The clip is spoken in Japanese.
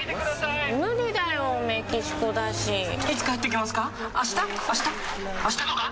いつ帰ってきますか？